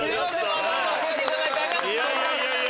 わざわざお越しいただいてありがとうございます。